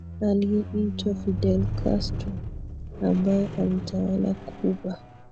aliyeitwa Fidel Castro ambaye aliitawala Cuba